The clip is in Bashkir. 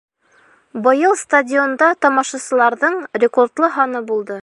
Быйыл стадионда тамашасыларҙың рекордлы һаны булды